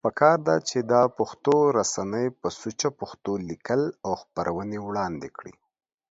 پکار ده چې دا پښتو رسنۍ په سوچه پښتو ليکل او خپرونې وړاندی کړي